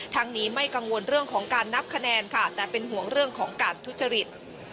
นี้ไม่กังวลเรื่องของการนับคะแนนค่ะแต่เป็นห่วงเรื่องของการทุจริต